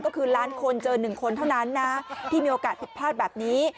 ก็คือล้านคนเจอ๑คนเท่านั้นนะที่มีโอกาสผิดพลาดแบบนี้